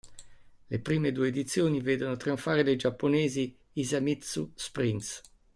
Le prime due edizioni vedono trionfare le giapponesi Hisamitsu Springs.